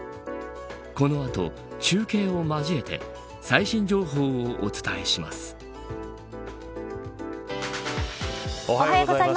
この後、中継を交えて最新情報をお伝えします。